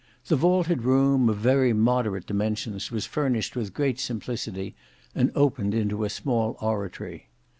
The vaulted room, of very moderate dimensions, was furnished with great simplicity and opened into a small oratory.